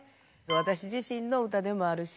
私自身の歌でもあるし